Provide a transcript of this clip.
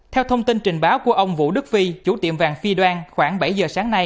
theo thông tin trình báo của ông vũ đức phi chủ tiệm vàng phi đoan khoảng bảy giờ sáng nay